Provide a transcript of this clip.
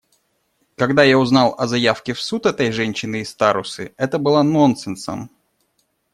Когда я узнал о заявке в суд этой женщины из Тарусы, это было нонсенсом.